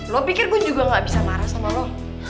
lo pikir gue juga gak bisa marah sama lo